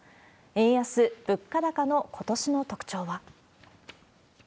円安、物価高のことしの特徴は。